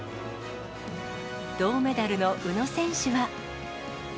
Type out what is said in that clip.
銅メダルの宇野選手は。